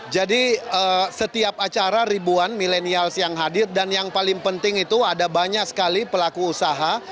jadi setiap acara ribuan milenial yang hadir dan yang paling penting itu ada banyak sekali pelaku usaha